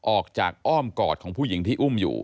ออกจากอ้อมกอดของผู้หญิงที่อุ้มอยู่